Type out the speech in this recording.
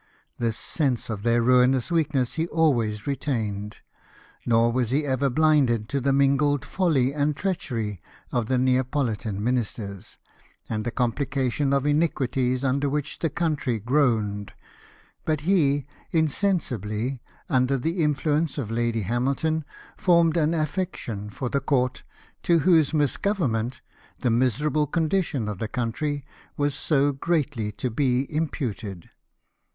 This sense of their ruinous weakness he always retained ; nor was he ever blind to the mingled folly and treachery of the Neapolitan Ministers, and the com plication of iniquities under which the country groaned; but he insensibly, under the influence of Lady Hamilton, formed an affection for the Court, to whose misgovernment the miserable condition of the country was so greatly to be imputed.